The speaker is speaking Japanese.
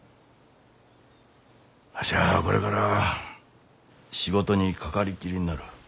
わしゃあこれから仕事にかかりっきりになる。